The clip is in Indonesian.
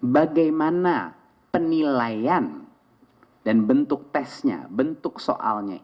bagaimana penilaian dan bentuk tesnya bentuk soalnya